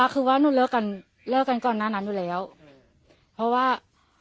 คือว่าหนูเลิกกันเลิกกันก่อนหน้านั้นอยู่แล้วเพราะว่า